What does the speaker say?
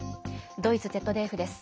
ドイツＺＤＦです。